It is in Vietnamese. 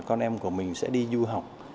con em của mình sẽ đi du học